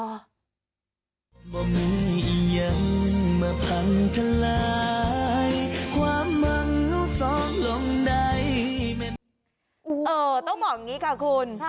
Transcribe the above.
ต้องบอกอย่างนี้ค่ะคุณ